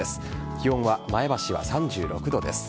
気温は前橋は３６度です。